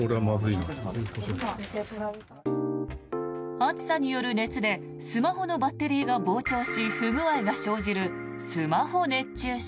暑さによる熱でスマホのバッテリーが膨張し不具合が生じるスマホ熱中症。